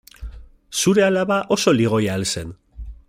Zure alaba oso ligoia al zen?